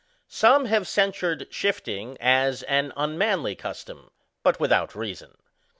Some have censured shifting as an unmanly custom, but without reason.